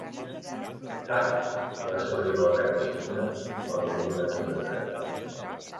Hade, que va sobreviure a l'atac de Shriner, va morir en un accident de transit.